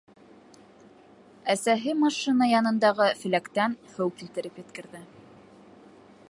Әсәһе машина янындағы феләктән һыу килтереп еткерҙе.